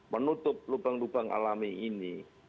menutup lubang lubang alami ini